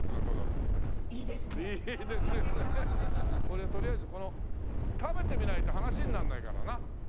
これとりあえずこの食べてみないと話にならないからな。